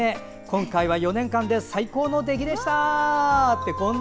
今回は４年間で最高の出来でした！